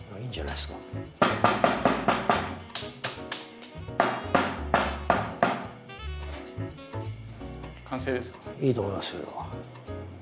いいと思いますよ。